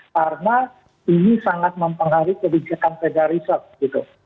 karena ini sangat mempengaruhi kebijakan pedagang riset gitu